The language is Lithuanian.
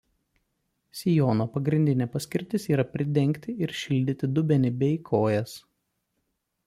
Sijono pagrindinė paskirtis yra pridengti ir šildyti dubenį bei kojas.